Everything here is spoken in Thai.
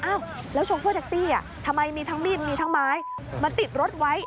อ้าวแล้วโชเฟอร์แท็กซี่ทำไมมีทั้งมีดมีทั้งไม้มาติดรถไว้